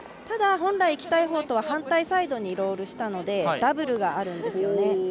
ただ本来いきたいほうとは反対サイドにロールしたのでダブルがあるんですよね。